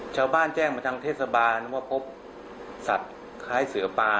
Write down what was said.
แจ้งมาทางเทศบาลว่าพบสัตว์คล้ายเสือปลา